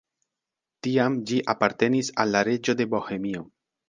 Tiam ĝi apartenis al la reĝo de Bohemio.